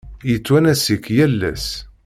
Yettwanas-ik yal ass.